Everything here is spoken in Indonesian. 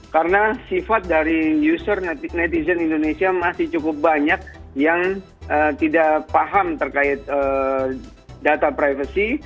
karena sifat dari user netizen indonesia masih cukup banyak yang tidak paham terkait data privacy